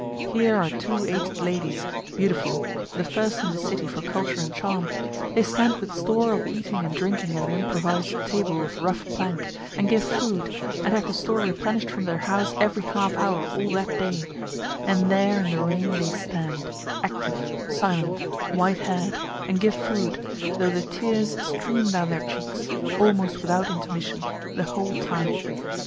Here are two aged ladies, beautiful, the first in the city for culture and charm, they stand with store of eating and drink at an improvis'd table of rough plank, and give food, and have the store replenished from their house every half hour all that day; and there in the rain they stand, active, silent, white hair'd, and give food, though the tears stream down their cheeks, almost without intermission, the whole time.